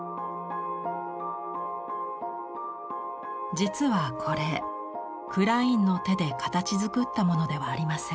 実はこれクラインの手で形づくったものではありません。